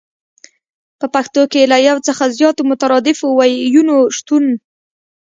په پښتو کې له يو څخه زياتو مترادفو ويونو شتون